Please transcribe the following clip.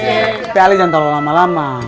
tapi ale jangan tau lu lama lama